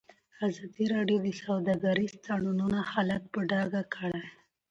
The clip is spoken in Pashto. ازادي راډیو د سوداګریز تړونونه حالت په ډاګه کړی.